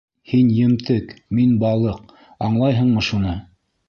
Һин емтек, мин балыҡ, аңлайһыңмы шуны?